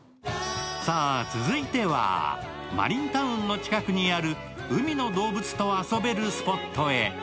さあ続いてはマリンタウンの近くにある海の動物と遊べるスポットへ。